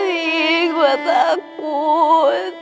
roman iiih gua takutnya